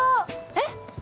えっ？